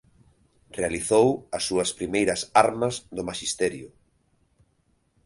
Realizou as súas primeiras armas do maxisterio.